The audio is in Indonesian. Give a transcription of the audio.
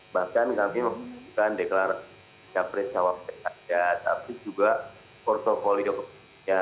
bahkan kami bukan deklarasi capresawak pks tapi juga portfolio pks